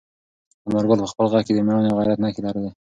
انارګل په خپل غږ کې د میړانې او غیرت نښې لرلې.